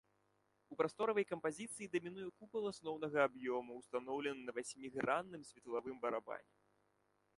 У прасторавай кампазіцыі дамінуе купал асноўнага аб'ёму, устаноўлены на васьмігранным светлавым барабане.